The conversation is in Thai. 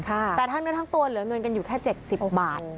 แต่ทั้งเนื้อทั้งตัวเหลือเงินกันอยู่แค่๗๐บาท